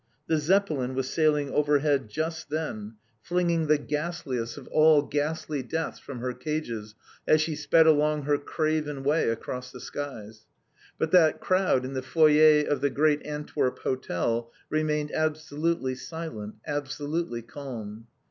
The Zeppelin was sailing overhead just then, flinging the ghastliest of all ghastly deaths from her cages as she sped along her craven way across the skies, but that crowd in the foyer of the great Antwerp Hotel remained absolutely silent, absolutely calm.